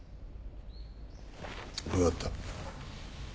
分かった。